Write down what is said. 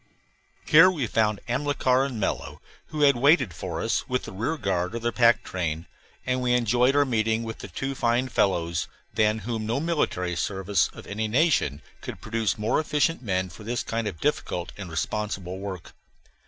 Here we found Amilcar and Mello, who had waited for us with the rear guard of their pack train, and we enjoyed our meeting with the two fine fellows, than whom no military service of any nation could produce more efficient men for this kind of difficult and responsible work.